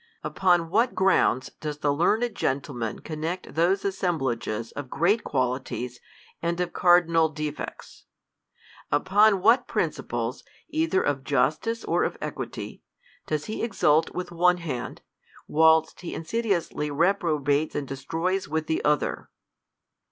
Upon what grounds does the learned gentleman connect those assemblages of great qualities and of cardinal defects ? Uponwhat principles, either of justice or of equity, does he exult Avith one hand, whilst he insidiously reprobates and destroys with the other